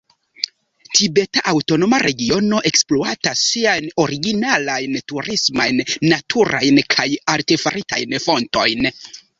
La Tibeta Aŭtonoma Regiono ekspluatas siajn originalajn turismajn naturajn kaj artefaritajn fontojn.